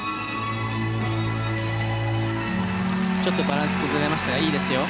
ちょっとバランス崩れましたがいいですよ。